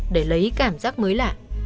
để lấy cảm giác mới lạ